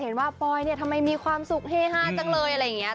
ทำไมมีความสุขเฮหาดจังเลยอะไรอย่างไง